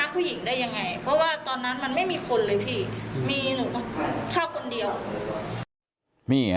เพราะว่าตอนนั้นมันไม่มีคนเลยพี่มีหนูเข้าคนเดียว